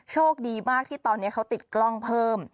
โชคดีมากที่ตอนนี้เขาติดกล้องเพิ่ม